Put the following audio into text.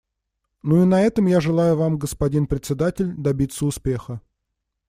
Ну и на этом я желаю вам, господин Председатель, добиться успеха.